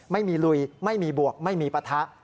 ไม่มีลุยไม่มีบวกไม่มีปะทะ